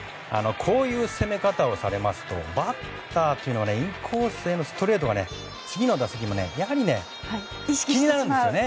こういう攻め方をされますとバッターというのはインコースへのストレートが次の打席も気になるんですよね。